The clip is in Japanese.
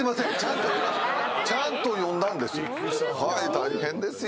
大変ですよ。